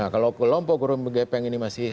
kalau kelompok burung gepeng ini masih